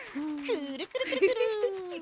くるくるくるくる。